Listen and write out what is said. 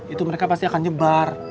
itu mereka pasti akan nyebar